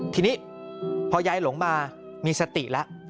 ทีนี้พอยายหลงมามีสติแล้ว